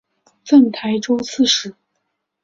赠台州刺史。